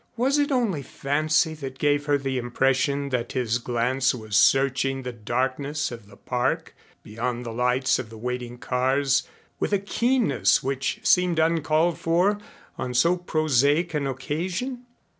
Was it only fancy that gave her the impression that his glance was searching the darkness of the Park beyond the lights of the waiting cars with a keenness which seemed uncalled for on so prosaic an occasion?